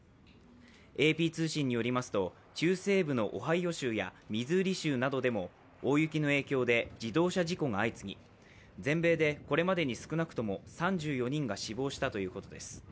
ＡＰ通信によりますと、中西部のオハイオ州やミズーリ州などでも大雪の影響で自動車事故が相次ぎ、全米でこれまでに少なくとも３４人が死亡したということです。